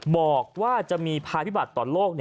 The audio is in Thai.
บอกว่าจะมีภัยพิบัตรต่อโลก